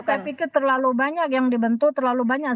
saya pikir terlalu banyak yang dibentuk terlalu banyak